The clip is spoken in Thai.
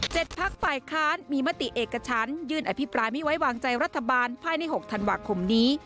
พักฝ่ายค้านมีมติเอกชั้นยื่นอภิปรายไม่ไว้วางใจรัฐบาลภายในหกธันวาคมนี้